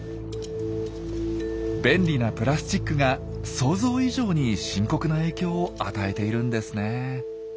便利なプラスチックが想像以上に深刻な影響を与えているんですね。